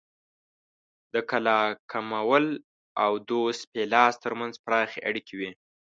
د کلاکمول او دوس پیلاس ترمنځ پراخې اړیکې وې